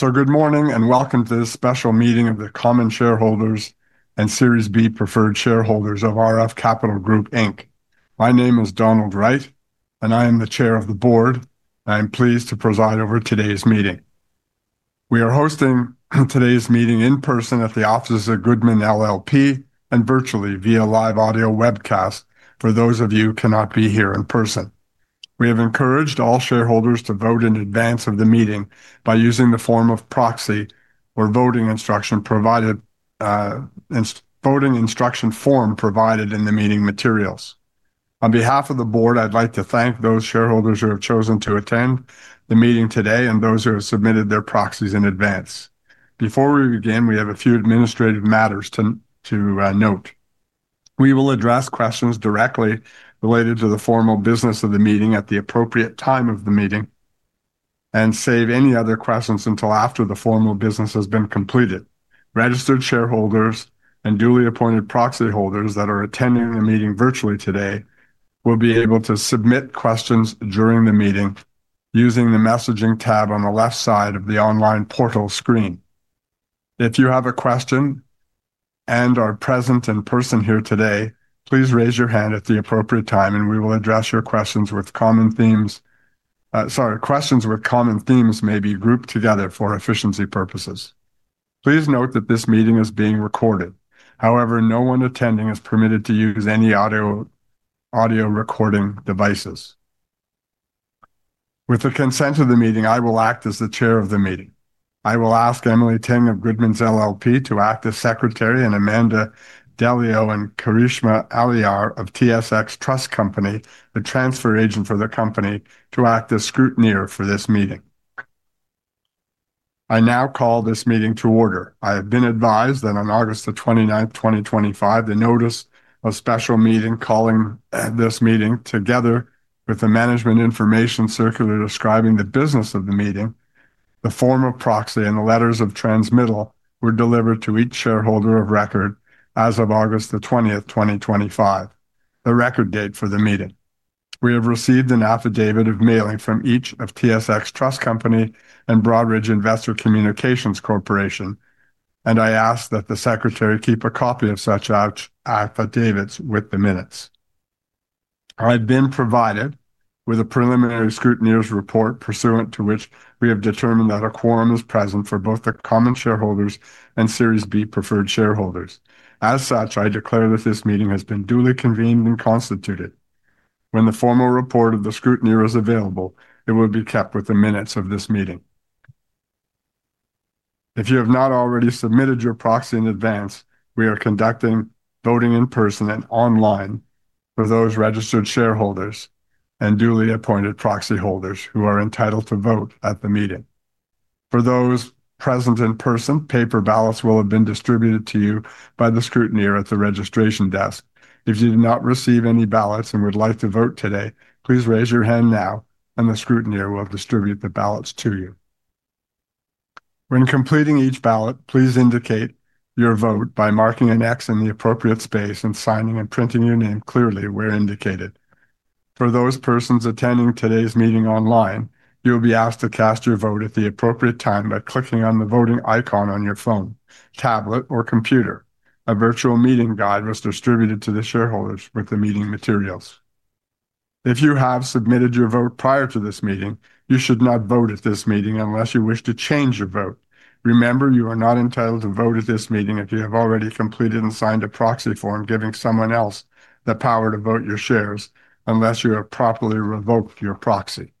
Good morning and welcome to this special meeting of the Common Shareholders and Series B Preferred Shareholders of RF Capital Group Inc. My name is Donald A. Wright, and I am the Chair of the Board, and I am pleased to provide for today's meeting. We are hosting today's meeting in person at the offices of Goodmans LLP and virtually via live audio webcast for those of you who cannot be here in person. We have encouraged all shareholders to vote in advance of the meeting by using the form of proxy or voting instruction form provided in the meeting materials. On behalf of the Board, I'd like to thank those shareholders who have chosen to attend the meeting today and those who have submitted their proxies in advance. Before we begin, we have a few administrative matters to note. We will address questions directly related to the formal business of the meeting at the appropriate time of the meeting and save any other questions until after the formal business has been completed. Registered shareholders and duly appointed proxy holders that are attending the meeting virtually today will be able to submit questions during the meeting using the messaging tab on the left side of the online portal screen. If you have a question and are present in person here today, please raise your hand at the appropriate time, and we will address your questions with common themes. Questions with common themes may be grouped together for efficiency purposes. Please note that this meeting is being recorded. However, no one attending is permitted to use any audio recording devices. With the consent of the meeting, I will act as the Chair of the meeting. I will ask Emily Ting of Goodmans LLP to act as Secretary, and Amanda Delio and Karishma Aliyaw of TSX Trust Company, the transfer agent for the company, to act as scrutineer for this meeting. I now call this meeting to order. I have been advised that on August 29, 2025, the notice of special meeting calling this meeting together with the management information circular describing the business of the meeting, the form of proxy, and the letters of transmittal were delivered to each shareholder of record as of August 20, 2025, the record date for the meeting. We have received an affidavit of mailing from each of TSX Trust Company and Broadridge Investor Communications Corporation, and I ask that the Secretary keep a copy of such affidavits with the minutes. I've been provided with a preliminary scrutineer's report pursuant to which we have determined that a quorum is present for both the Common Shareholders and Series B Preferred Shareholders. As such, I declare that this meeting has been duly convened and constituted. When the formal report of the scrutineer is available, it will be kept with the minutes of this meeting. If you have not already submitted your proxy in advance, we are conducting voting in person and online for those registered shareholders and duly appointed proxy holders who are entitled to vote at the meeting. For those present in person, paper ballots will have been distributed to you by the scrutineer at the registration desk. If you do not receive any ballots and would like to vote today, please raise your hand now, and the scrutineer will distribute the ballots to you. When completing each ballot, please indicate your vote by marking an X in the appropriate space and signing and printing your name clearly where indicated. For those persons attending today's meeting online, you'll be asked to cast your vote at the appropriate time by clicking on the voting icon on your phone, tablet, or computer. A virtual meeting guide was distributed to the shareholders with the meeting materials. If you have submitted your vote prior to this meeting, you should not vote at this meeting unless you wish to change your vote. Remember, you are not entitled to vote at this meeting if you have already completed and signed a proxy form giving someone else the power to vote your shares unless you have properly revoked your proxy.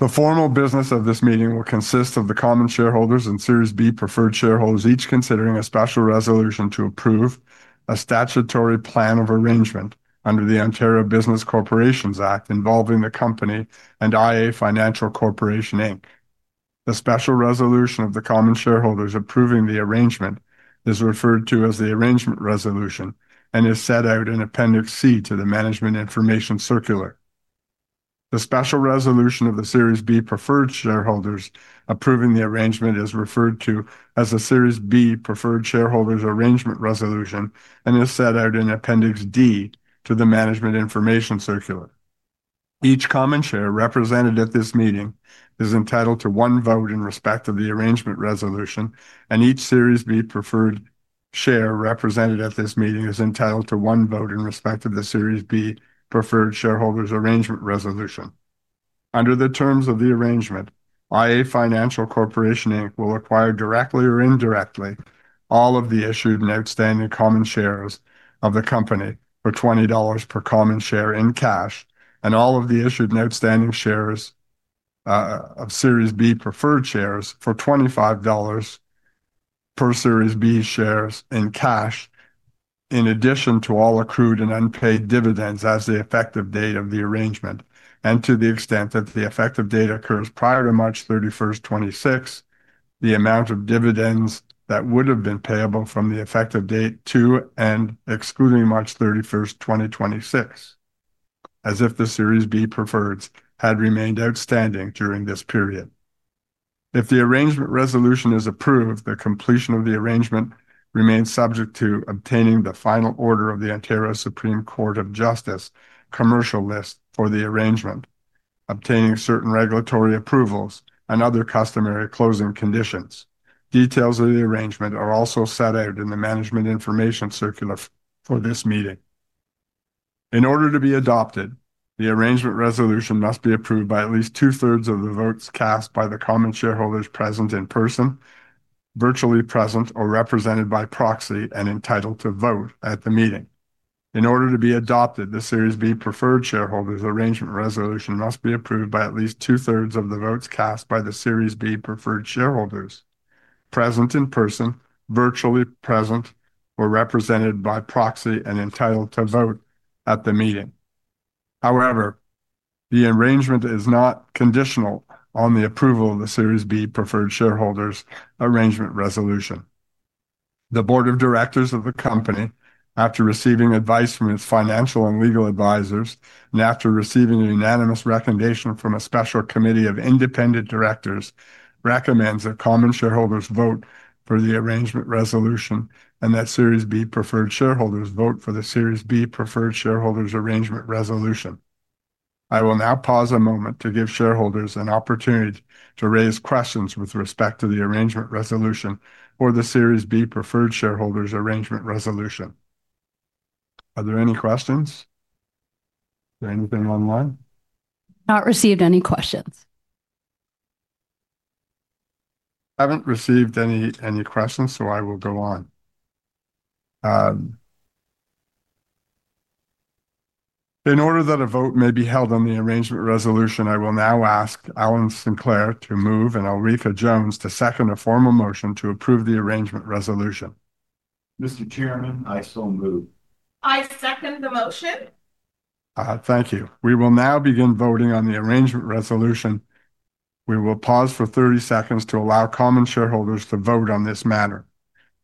The formal business of this meeting will consist of the Common Shareholders and Series B Preferred Shareholders each considering a special resolution to approve a statutory plan of arrangement under the Ontario Business Corporations Act involving the company and IA Financial Corporation Inc. The special resolution of the Common Shareholders approving the arrangement is referred to as the Arrangement Resolution and is set out in Appendix C to the Management Information Circular. The special resolution of the Series B Preferred Shareholders approving the arrangement is referred to as the Series B Preferred Shareholders Arrangement Resolution and is set out in Appendix D to the Management Information Circular. Each Common Share represented at this meeting is entitled to one vote in respect of the Arrangement Resolution, and each Series B Preferred Share represented at this meeting is entitled to one vote in respect of the Series B Preferred Shareholders Arrangement Resolution. Under the terms of the arrangement, IA Financial Corporation Inc. will acquire directly or indirectly all of the issued and outstanding Common Shares of the company for $20 per Common Share in cash and all of the issued and outstanding shares of Series B Preferred Shares for $25 per Series B Preferred Share in cash, in addition to all accrued and unpaid dividends as of the effective date of the arrangement, and to the extent that the effective date occurs prior to March 31, 2026, the amount of dividends that would have been payable from the effective date to and excluding March 31, 2026, as if the Series B Preferred Shares had remained outstanding during this period. If the Arrangement Resolution is approved, the completion of the arrangement remains subject to obtaining the final order of the Ontario Supreme Court of Justice Commercial List for the arrangement, obtaining certain regulatory approvals, and other customary closing conditions. Details of the arrangement are also set out in the Management Information Circular for this meeting. In order to be adopted, the Arrangement Resolution must be approved by at least two-thirds of the votes cast by the Common Shareholders present in person, virtually present, or represented by proxy, and entitled to vote at the meeting. In order to be adopted, the Series B Preferred Shareholders Arrangement Resolution must be approved by at least two-thirds of the votes cast by the Series B Preferred Shareholders present in person, virtually present, or represented by proxy, and entitled to vote at the meeting. However, the arrangement is not conditional on the approval of the Series B Preferred Shareholders Arrangement Resolution. The Board of Directors of the company, after receiving advice from its financial and legal advisors and after receiving a unanimous recommendation from a special committee of independent directors, recommends that Common Shareholders vote for the Arrangement Resolution and that Series B Preferred Shareholders vote for the Series B Preferred Shareholders Arrangement Resolution. I will now pause a moment to give shareholders an opportunity to raise questions with respect to the Arrangement Resolution or the Series B Preferred Shareholders Arrangement Resolution. Are there any questions? Is there anything online? Not received any questions. Haven't received any questions, so I will go on. In order that a vote may be held on the Arrangement Resolution, I will now ask Alan Sinclair to move and Alreetha Jones to second a formal motion to approve the Arrangement Resolution. Mr. Chairman, I so move. I second the motion. Thank you. We will now begin voting on the Arrangement Resolution. We will pause for 30 seconds to allow Common Shareholders to vote on this matter.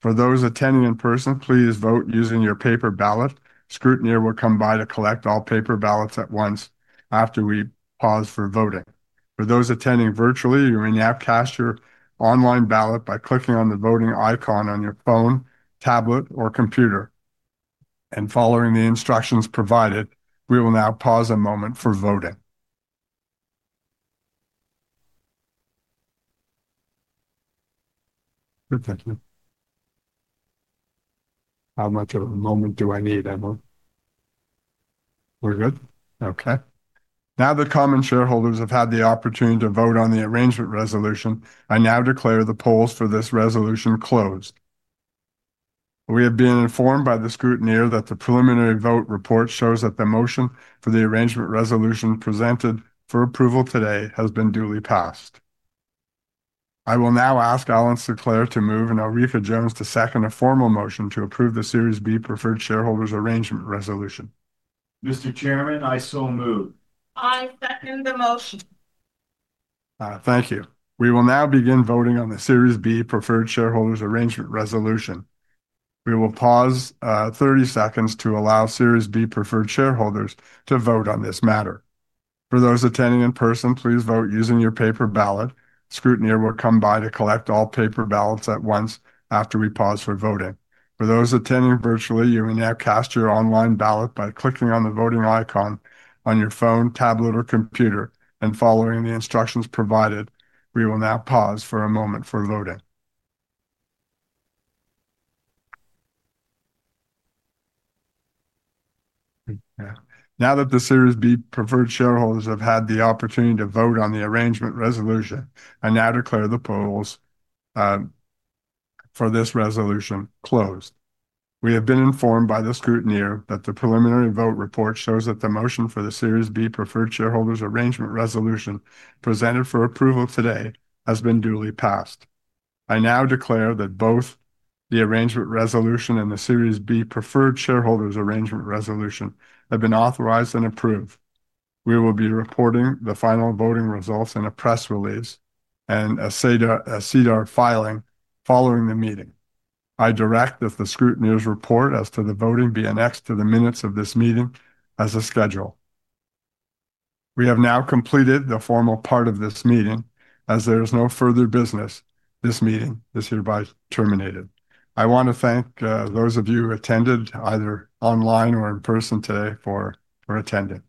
For those attending in person, please vote using your paper ballot. The scrutineer will come by to collect all paper ballots at once after we pause for voting. For those attending virtually, you may now cast your online ballot by clicking on the voting icon on your phone, tablet, or computer and following the instructions provided. We will now pause a moment for voting. Good. Thank you. How much of a moment do I need, Emma? We're good. Okay. Now that Common Shareholders have had the opportunity to vote on the Arrangement Resolution, I now declare the polls for this resolution closed. We have been informed by the scrutineer that the preliminary vote report shows that the motion for the Arrangement Resolution presented for approval today has been duly passed. I will now ask Alan Sinclair to move and Alreetha Jones to second a formal motion to approve the Series B Preferred Shareholders Arrangement Resolution. Mr. Chairman, I so move. I second the motion. Thank you. We will now begin voting on the Series B Preferred Shareholders Arrangement Resolution. We will pause 30 seconds to allow Series B Preferred Shareholders to vote on this matter. For those attending in person, please vote using your paper ballot. The scrutineer will come by to collect all paper ballots at once after we pause for voting. For those attending virtually, you may now cast your online ballot by clicking on the voting icon on your phone, tablet, or computer, and following the instructions provided. We will now pause for a moment for voting. Now that the Series B Preferred Shareholders have had the opportunity to vote on the Arrangement Resolution, I now declare the polls for this resolution closed. We have been informed by the scrutineer that the preliminary vote report shows that the motion for the Series B Preferred Shareholders Arrangement Resolution presented for approval today has been duly passed. I now declare that both the Arrangement Resolution and the Series B Preferred Shareholders Arrangement Resolution have been authorized and approved. We will be reporting the final voting results in a press release and a SEDAR filing following the meeting. I direct that the scrutineer's report as to the voting be annexed to the minutes of this meeting as a schedule. We have now completed the formal part of this meeting. As there is no further business, this meeting is hereby terminated. I want to thank those of you who attended either online or in person today for attending. Thank you.